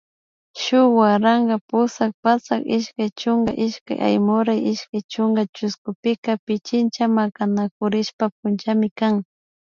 Shuk waranka pusak patsak ishkay chunka ishkay Aymuray ishkay chunka chushkupika Pichincha Makanakurishka punllami kan